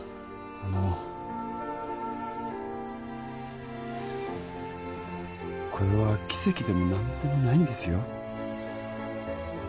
あのこれは奇跡でも何でもないんですよ